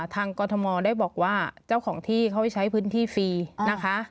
กรทมได้บอกว่าเจ้าของที่เขาใช้พื้นที่ฟรีนะคะ